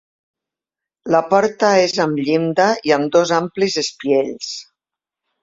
La porta és amb llinda i amb dos amplis espiells.